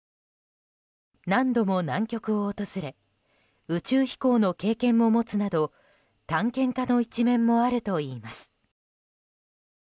何度も南極を訪れ宇宙飛行の経験も持つなど探検家の一面もあるといいます。